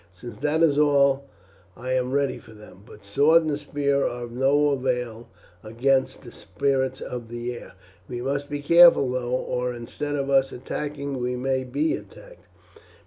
"Since that is all I am ready for them; but sword and spear are of no avail against the spirits of the air. We must be careful though, or instead of us attacking we may be attacked."